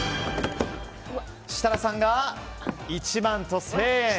設楽さんが１万１０００円。